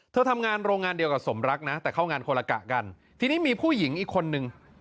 ทำงานโรงงานเดียวกับสมรักนะแต่เข้างานคนละกะกันทีนี้มีผู้หญิงอีกคนนึง